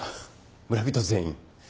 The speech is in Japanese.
村人全員？